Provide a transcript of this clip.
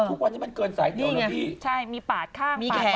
ทุกวันนี้มันเกินสายนิ้วแล้วพี่ใช่มีปากข้างมีแขน